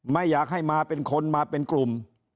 ไม่อยากให้มาเป็นคนมาเป็นกลุ่ม